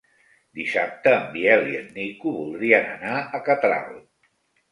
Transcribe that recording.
Dissabte en Biel i en Nico voldrien anar a Catral.